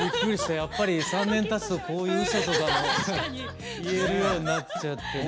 やっぱり３年たつとこういううそとかも言えるようになっちゃってね。